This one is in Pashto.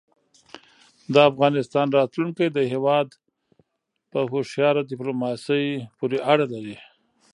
د افغانستان راتلونکی د هېواد په هوښیاره دیپلوماسۍ پورې اړه لري.